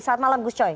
selamat malam gus coy